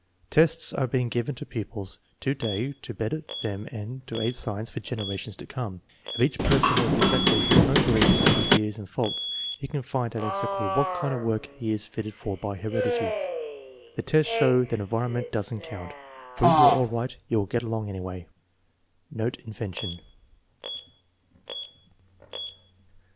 "Tests are being given to pupils to day to better them and to aid science for generations to come. If each person knows exactly his own beliefs and ideas and faults he can find out exactly what kind of work he is fitted for by heredity. The tests show that en vironment does n't count, for if you are all right you will get along anyway." (Note invention.)